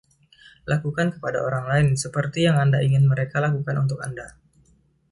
Lakukan kepada orang lain seperti yang Anda ingin mereka lakukan untuk Anda.